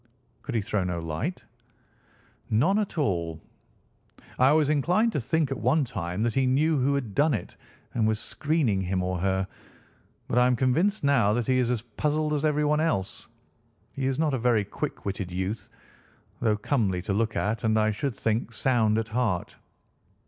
"Could he throw no light?" "None at all. I was inclined to think at one time that he knew who had done it and was screening him or her, but I am convinced now that he is as puzzled as everyone else. He is not a very quick witted youth, though comely to look at and, I should think, sound at heart."